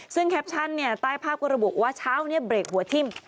ซึ่งแคปชั่นเนี่ยใต้ภาพก็ระบุว่าเช้านี้เบรกหัวทิ่ม